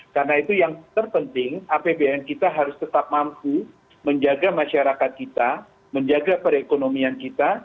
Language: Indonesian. karena itu yang terpenting apbn kita harus tetap mampu menjaga masyarakat kita menjaga perekonomian kita